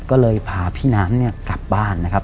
ก็เลยพาพี่น้ำเนี่ยกลับบ้านนะครับ